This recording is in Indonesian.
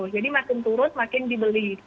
jadi makin turun makin dibeli